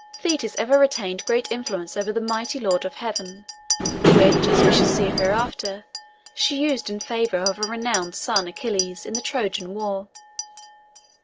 Thetis ever retained great influence over the mighty lord of heaven, which, as we shall see hereafter, she used in favour of her renowned son, Achilles, in the Trojan War.